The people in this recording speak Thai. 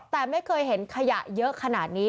แต่ไม่เคยเห็นขยะเยอะขนาดนี้